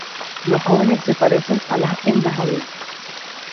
Los jóvenes se parecen a las hembras adultas.